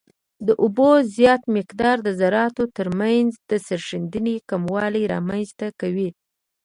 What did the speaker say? د اوبو زیات مقدار د ذراتو ترمنځ د سریښېدنې کموالی رامنځته کوي